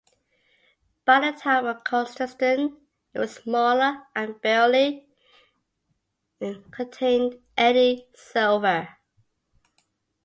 By the time of Constantine, it was smaller and barely contained any silver.